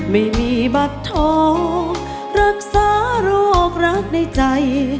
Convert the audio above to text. ไม่มีบัตรทองรักษาโรครักในใจ